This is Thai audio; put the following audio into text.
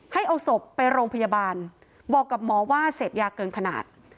ให้เอาศพไปโรงพยาบาลบอกกับหมอว่าเสพยาเกินขนาด